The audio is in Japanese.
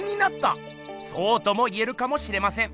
そうとも言えるかもしれません。